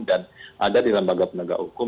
dan ada di lembaga penegak hukum